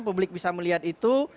publik bisa melihat itu